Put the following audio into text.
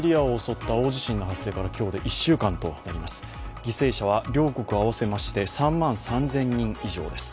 犠牲者は両国合わせまして３万３０００人以上です。